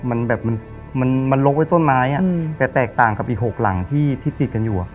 มันลดไว้ต้นไม้แต่แตกต่างกับอีก๖หลังที่ติดกันอยู่